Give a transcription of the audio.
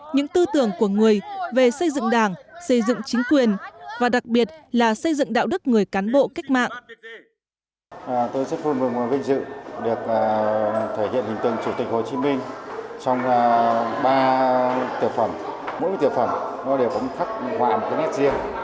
những tư tưởng của người về xây dựng đảng xây dựng chính quyền và đặc biệt là xây dựng đạo đức người cán bộ cách mạng